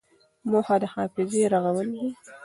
موخه د حافظې رغول دي.